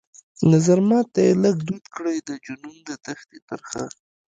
نظرمات ته يې لږ دود کړى د جنون د دښتي ترخه